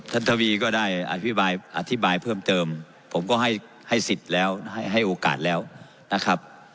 ทวีก็ได้อธิบายอธิบายเพิ่มเติมผมก็ให้สิทธิ์แล้วให้โอกาสแล้วนะครับ